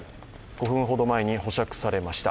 ５分ほど前に保釈されました。